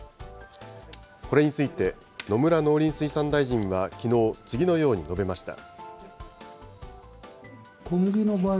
これについて、野村農林水産大臣はきのう、次のように述べました。